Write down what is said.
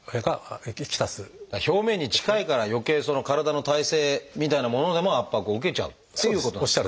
表面に近いからよけい体の体勢みたいなものでも圧迫を受けちゃうということですか。